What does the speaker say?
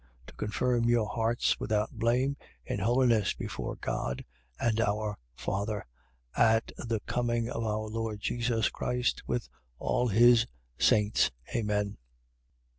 To confirm your hearts without blame, in holiness, before God and our Father, at the coming of our Lord Jesus Christ, with all his saints. Amen.